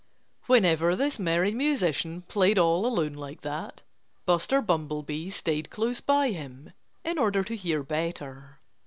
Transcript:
Whenever this merry musician played all alone like that Buster Bumblebee stayed close by him in order to hear better.